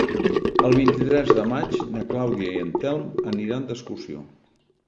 El vint-i-tres de maig na Clàudia i en Telm aniran d'excursió.